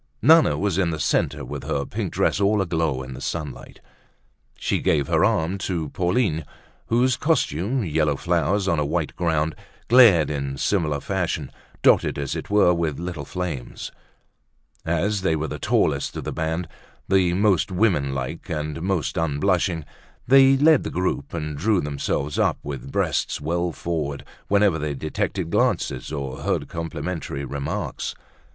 Nana was in the centre with her pink dress all aglow in the sunlight. She gave her arm to Pauline, whose costume, yellow flowers on a white ground, glared in similar fashion, dotted as it were with little flames. As they were the tallest of the band, the most woman like and most unblushing, they led the troop and drew themselves up with breasts well forward whenever they detected glances or heard complimentary remarks.